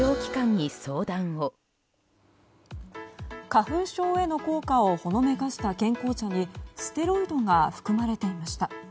花粉症への効果をほのめかした健康茶にステロイドが含まれていました。